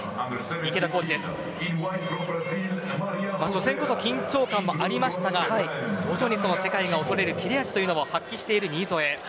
初戦こそ緊張感がありましたが徐々に世界の恐れる切れ味を発揮している新添です。